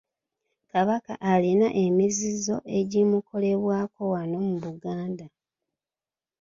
Kabaka alina emizizo egimukolebwako wano mu Buganda.